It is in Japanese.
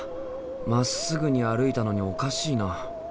まっすぐに歩いたのにおかしいな。